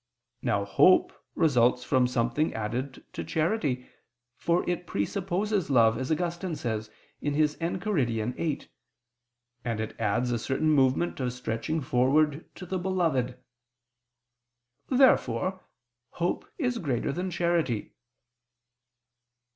Now hope results from something added to charity; for it presupposes love, as Augustine says (Enchiridion viii), and it adds a certain movement of stretching forward to the beloved. Therefore hope is greater than charity.